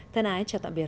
thế này chào tạm biệt